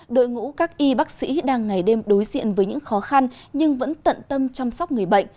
đội ngũ các y bác sĩ đang ngày đêm đối diện với những khó khăn nhưng vẫn tận tâm chăm sóc người bệnh